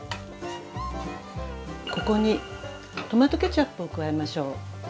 ここにトマトケチャップを加えましょう。